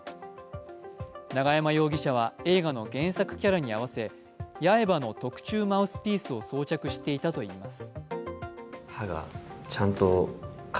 永山容疑者は映画の原作キャラに合わせ八重歯の特注マウスピースを装着していたといいます。